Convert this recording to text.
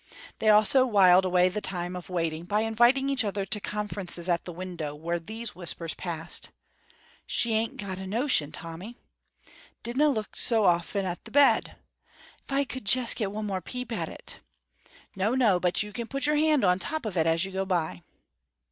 They also wiled away the time of waiting by inviting each other to conferences at the window where these whispers passed "She ain't got a notion, Tommy." "Dinna look so often at the bed." "If I could jest get one more peep at it!" "No, no; but you can put your hand on the top of it as you go by."